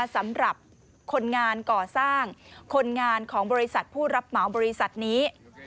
สำหรับคนงานก่อสร้างคนงานของบริษัทผู้รับเหมาบริษัทนี้